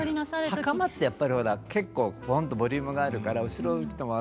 袴ってやっぱりほら結構ぼんってボリュームがあるから後ろ行っても。